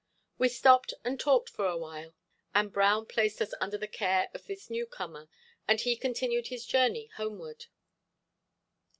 We stopped and talked for awhile, and Brown placed us under the care of this new comer, and he continued his journey homeward.